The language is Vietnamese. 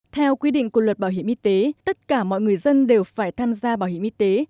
theo quy định của luật bảo hiểm y tế tất cả mọi người dân đều phải tham gia bảo hiểm y tế